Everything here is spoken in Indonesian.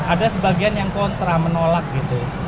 ada sebagian yang kontra menolak gitu